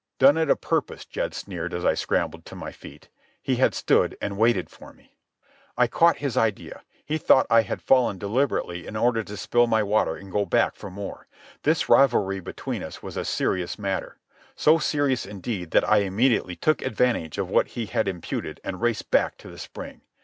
"Done it a purpose," Jed sneered as I scrambled to my feet. He had stood and waited for me. I caught his idea. He thought I had fallen deliberately in order to spill my water and go back for more. This rivalry between us was a serious matter—so serious, indeed, that I immediately took advantage of what he had imputed and raced back to the spring.